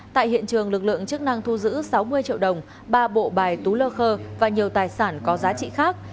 tại hiện trường lực lượng chức năng thu giữ sáu mươi triệu đồng ba bộ bài tú lơ khơ và nhiều tài sản có giá trị khác